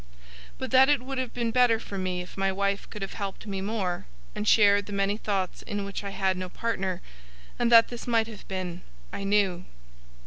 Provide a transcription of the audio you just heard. But that it would have been better for me if my wife could have helped me more, and shared the many thoughts in which I had no partner; and that this might have been; I knew.